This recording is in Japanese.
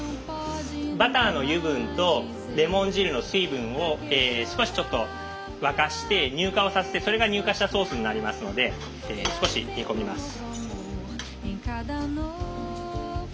バターの油分とレモン汁の水分を少しちょっと沸かして乳化をさせてそれが乳化したソースになりますので少し煮込みます。